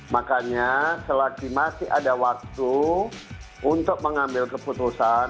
makanya selagi masih ada waktu untuk mengambil keputusan